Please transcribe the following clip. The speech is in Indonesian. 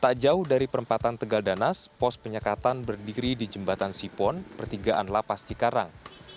tak jauh dari perempatan tegal danas pos penyekatan berdiri di jembatan sipon pertigaan lapas cikarang